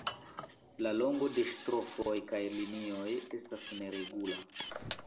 La longo de "strofoj" kaj linioj estas neregula.